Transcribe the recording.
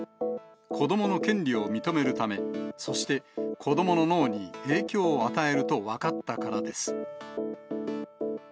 子どもの権利を認めるため、そして子どもの脳に影響を与えると分かったからです。